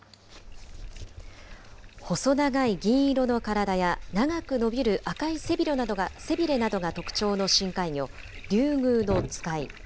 細長い銀色の体や、長く伸びる赤い背びれなどが特徴の深海魚、リュウグウノツカイ。